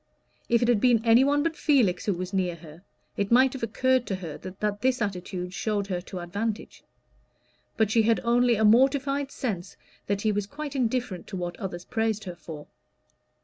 If it had been any one but Felix who was near her, it might have occurred to her that this attitude showed her to advantage; but she had only a mortified sense that he was quite indifferent to what others praised her for.